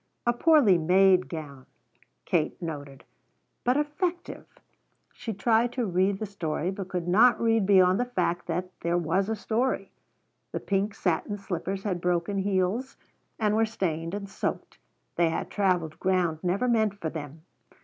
A poorly made gown, Katie noted, but effective. She tried to read the story, but could not read beyond the fact that there was a story. The pink satin slippers had broken heels and were stained and soaked. They had traveled ground never meant for them.